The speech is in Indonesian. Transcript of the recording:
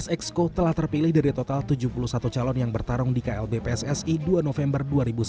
dua belas exco telah terpilih dari total tujuh puluh satu calon yang bertarung di klb pssi dua november dua ribu sembilan belas